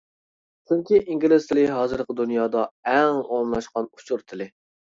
چۈنكى، ئىنگلىز تىلى ھازىرقى دۇنيادا ئەڭ ئومۇملاشقان ئۇچۇر تىلى.